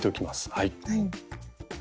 はい。